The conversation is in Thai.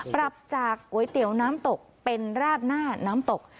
ปรับจากก๋วยเตี๋ยวน้ำตกเป็นราดหน้าน้ำตก